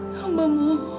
sama lara ya allah